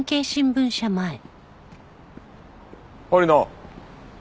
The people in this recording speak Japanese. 堀野。